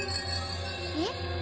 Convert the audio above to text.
えっ？